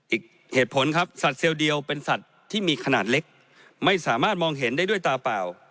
อีกเหตุผลครับสัตว์เซลลเดียวเป็นสัตว์ที่มีขนาดเล็กไม่สามารถมองเห็นได้ด้วยตาเปล่า